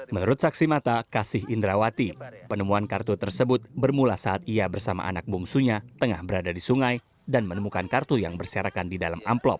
menurut saksi mata kasih indrawati penemuan kartu tersebut bermula saat ia bersama anak bungsunya tengah berada di sungai dan menemukan kartu yang berserakan di dalam amplop